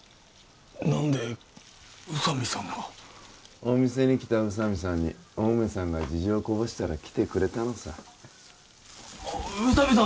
何で宇佐美さんがお店に来た宇佐美さんにお梅さんが事情をこぼしたら来てくれたのさ宇佐美さん